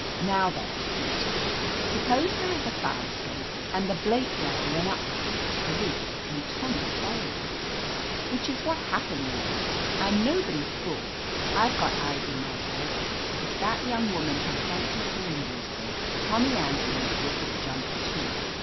"Now, then," said Tish, "suppose there is a fire escape, and the Blake girl went up by it to the roof, and Tommy followed her. Which is what happened, Lizzie. I'm nobody's fool; 74 itfi ^ OF LETITIA CARBERRY Fve got eyes in my head. If that young woman had jumped off the window sill, Tom my Andrews would have jumped too.